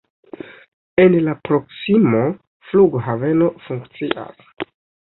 En la proksimo flughaveno funkcias.